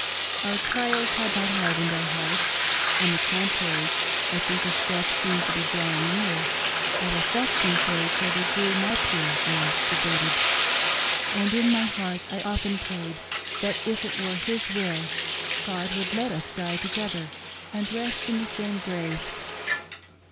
Our trials had, not hardened our hea, rts ; on the contrary, I think, as death seemed to be drawing near, our affection for each other grew more pure and devoted, and in my heart I often prayed, that if it were His. THE BITTER END, 223 will, God would let us die together and rest in the same grave.